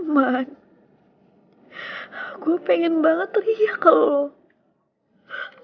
man gue pengen banget teriak kalau lo